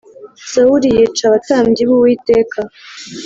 Sawuli yica abatambyi b’Uwiteka